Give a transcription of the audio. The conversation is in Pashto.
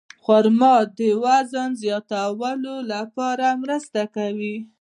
خرما د وزن زیاتولو لپاره مرسته کوي.